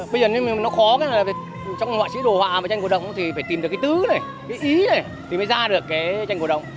bây giờ nó khó trong họa sĩ đồ họa và tranh cổ động thì phải tìm được cái tứ này cái ý này thì mới ra được cái tranh cổ động